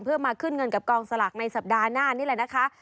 เพื่อมาขึ้นเงินกับกองสลากในสัปดาห์หน้านี่แหละนะคะ